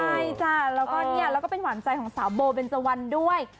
ใช่จ้ะแล้วก็เนี่ยแล้วก็เป็นหวานใจของสาวโบเบนเจวันด้วย